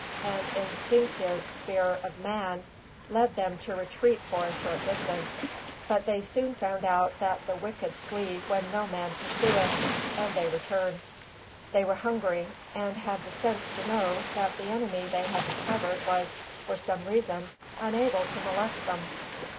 An instinctive fear of man led them to retreat for a short distance; but they soon found out that "the wicked flee when no man pursueth," and they returned. They were hungry, and had the sense to know that the enemy they had discovered was, for some reason, unable to molest them.